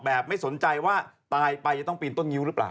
ไม่สนใจว่าตายไปจะต้องปีนต้นงิ้วหรือเปล่า